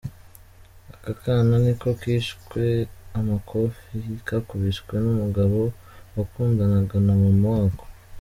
Aka kana niko kicwe amakofe kakubiswe n’umugabo wakundanaga na mama wako.